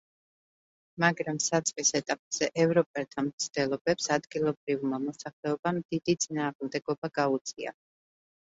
მაგრამ საწყის ეტაპზე ევროპელთა მცდელობებს ადგილობრივმა მოსახლეობამ დიდი წინააღმდეგობა გაუწია.